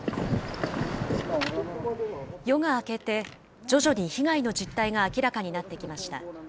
夜が明けて、徐々に被害の実態が明らかになってきました。